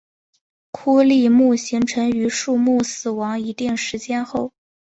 枯立木形成于树木死亡一定时间后。